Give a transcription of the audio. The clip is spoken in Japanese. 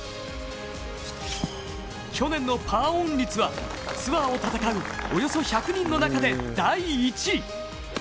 去年のパーオン率は、ツアーを戦うおよそ１００人の中で第１位。